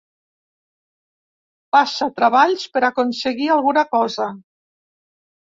Passa treballs per a aconseguir alguna cosa.